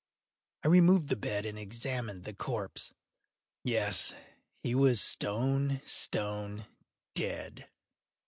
I removed the bed and examined the corpse. Yes, he was stone, stone dead.